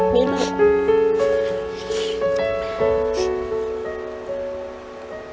มีรัก